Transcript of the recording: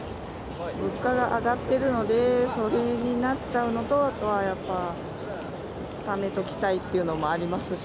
物価が上がってるので、それになっちゃうのと、あとはやっぱ、ためときたいっていうのもありますし。